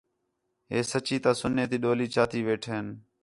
ہِے سچّی تا سنے تی ڈولی چاتی ویٹھین